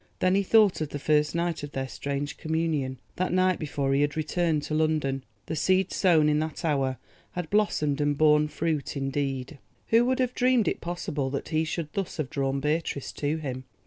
Then he thought of the first night of their strange communion, that night before he had returned to London. The seed sown in that hour had blossomed and borne fruit indeed. Who would have dreamed it possible that he should thus have drawn Beatrice to him?